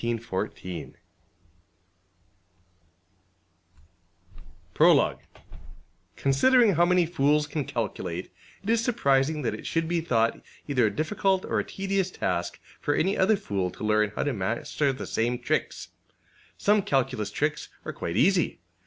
png}{xi}% \AltChapter{Prologue} \First{Considering} how many fools can calculate, it is surprising that it should be thought either a difficult or a tedious task for any other fool to learn how to master the same tricks. Some calculus tricks are quite easy.